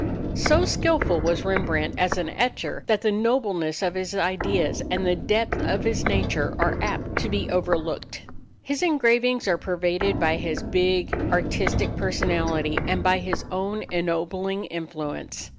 So skilful was Rembrandt as an etcher that the nobleness of his ideas and the depth of his nature are apt to be overlooked. His engravings are pervaded by his big, artistic personality and by his own ennobling influence.